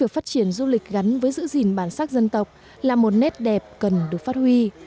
phát triển du lịch gắn với giữ gìn bản sắc dân tộc là một nét đẹp cần được phát huy